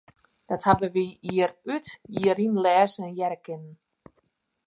Dat hawwe wy jier út, jier yn lêze en hearre kinnen.